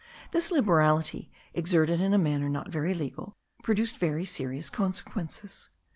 This liberality, exerted in a manner not very legal, produced very serious consequences.